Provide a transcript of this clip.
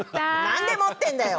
なんで持ってるんだよ！